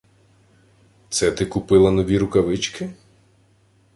Це ти купила нові рукавички?